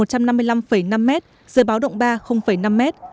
trên sông đắc bờ la lên mức một trăm năm mươi năm năm m trên báo động ba năm m